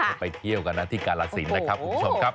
ไปเที่ยวกันนะที่กาลสินนะครับคุณผู้ชมครับ